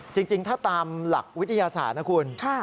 จริงถ้าตามหลักวิทยาศาสตร์นะคุณ